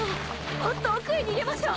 もっと奥へ逃げましょう！